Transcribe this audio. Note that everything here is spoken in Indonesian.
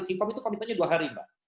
qicom itu komitmennya dua hari mbak